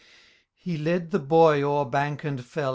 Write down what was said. S9 XIII, He led the boy o*er bank and fell.